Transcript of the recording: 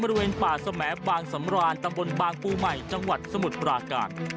บริเวณป่าสแมบางสำรานตำบลบางปูใหม่จังหวัดสมุทรปราการ